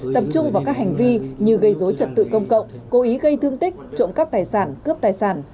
tập trung vào các hành vi như gây dối trật tự công cộng cố ý gây thương tích trộm cắp tài sản cướp tài sản